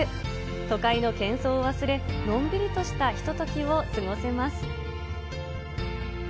都会のけん騒を忘れ、のんびりとしたひとときを過ごせます。